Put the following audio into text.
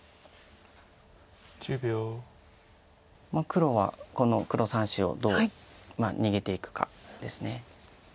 黒はこの黒３子をどう逃げていくかです。